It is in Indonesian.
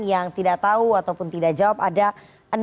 yang tidak tahu atau tidak jawab ada enam satu persen